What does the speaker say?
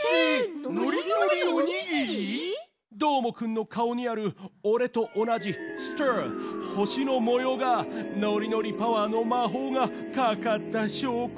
どーもくんのかおにあるおれとおなじスターほしのもようがノリノリパワーのまほうがかかったしょうこだヨー！